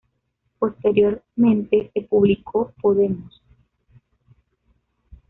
Posteriormente se publicó "Podemos!